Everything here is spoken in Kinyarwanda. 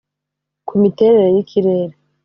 kumiterere y’ikirere